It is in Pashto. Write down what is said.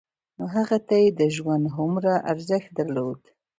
نو هغه ته يې د ژوند هومره ارزښت درلود.